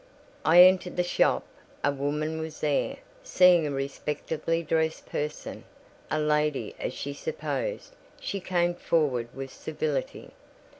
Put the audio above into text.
I entered the shop: a woman was there. Seeing a respectably dressed person, a lady as she supposed, she came forward with civility.